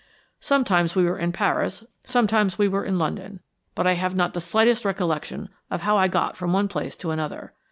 Sometimes we were in Paris, sometimes we were in London, but I have not the slightest recollection of how I got from one place to another.